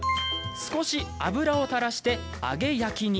少し油を垂らして揚げ焼きに。